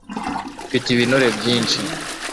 mfite ibinure byinshi